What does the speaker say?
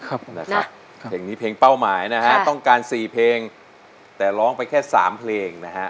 เพลงนี้เพลงเป้าหมายนะฮะต้องการสี่เพลงแต่ร้องไปแค่สามเพลงนะฮะ